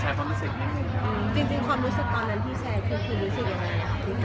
จริงความรู้สึกตอนนั้นที่แชร์ก็คือรู้สึกยังไง